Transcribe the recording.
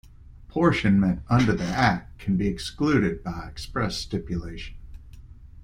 Apportionment under the act can be excluded by express stipulation.